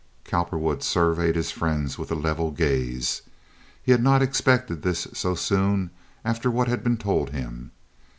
Cowperwood surveyed his friends with a level gaze. He had not expected this so soon after what had been told him.